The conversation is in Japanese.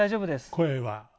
声は。